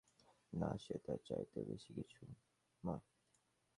না, সে তার চাইতেও বেশিকিছু, মা।